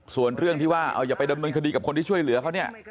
ส่วนเรื่องที่ว่าอย่าไปดำเนินคดีกับคนที่ช่วยเหลือเขาเนี่ย